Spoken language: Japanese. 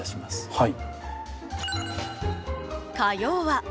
はい。